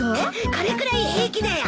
これくらい平気だよ。